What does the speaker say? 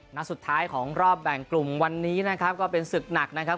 นัดสุดท้ายของรอบแบ่งกลุ่มวันนี้นะครับก็เป็นศึกหนักนะครับ